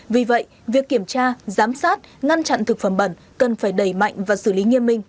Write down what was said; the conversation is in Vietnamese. vì vậy việc kiểm tra giám sát ngăn chặn thực phẩm bẩn cần phải đẩy mạnh và xử lý nghiêm minh